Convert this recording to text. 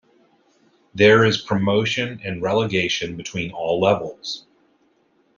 There is promotion and relegation between all levels.